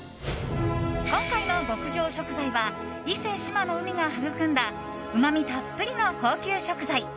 今回の極上食材は伊勢志摩の海が育んだうまみたっぷりの高級食材